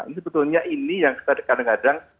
ini sebetulnya ini yang kita kadang kadang